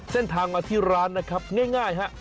เส้นทางมาที่ร้านนะครับง่ายฮะ